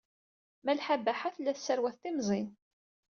Malḥa Baḥa tella tesserwat timẓin.